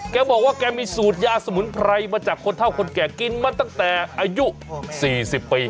แกบอกว่าแกมีสูตรยาสมุนไพรมาจากคนเท่าคนแก่กินมาตั้งแต่อายุ๔๐ปี